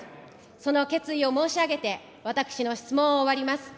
その決意を申し上げて私の質問を終わります。